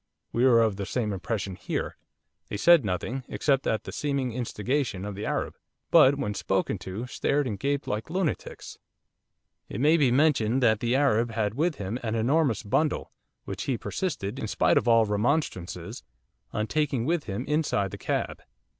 We were of the same impression here. They said nothing, except at the seeming instigation of the Arab, but when spoken to stared and gaped like lunatics. 'It may be mentioned that the Arab had with him an enormous bundle, which he persisted, in spite of all remonstrances, on taking with him inside the cab.